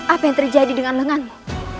apa yang terjadi dengan lenganmu